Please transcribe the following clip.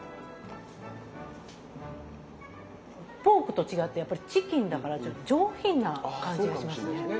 ポークと違ってやっぱりチキンだからちょっと上品な感じがしますけど。